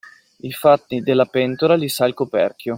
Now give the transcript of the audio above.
I fatti della pentola li sa il coperchio.